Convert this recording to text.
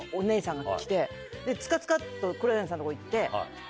ツカツカっと黒柳さんのとこ行って。